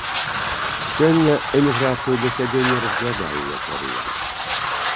Сёння эміграцыю для сябе не разглядаю як варыянт.